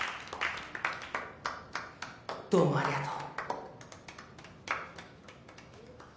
どうもありがとう。